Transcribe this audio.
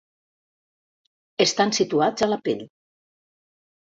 Estan situats a la pell.